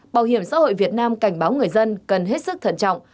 bảo hiểm xã hội việt nam cảnh báo người dân cần hết sức thận trọng